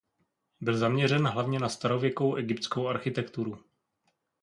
Byl zaměřen hlavně na starověkou egyptskou architekturu.